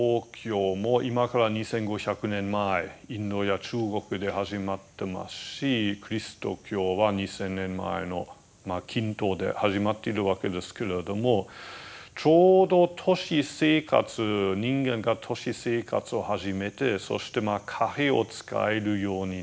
インドや中国で始まってますしキリスト教は２，０００年前の近東で始まっているわけですけれどもちょうど都市生活人間が都市生活を始めてそして貨幣を使えるようになった時期ですね。